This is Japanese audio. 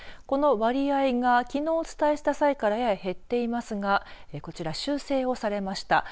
この割合が、きのうお伝えした際から、やや減っていますがこちら、修正をされました。